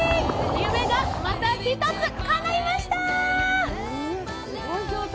夢がまた一つ、かないました。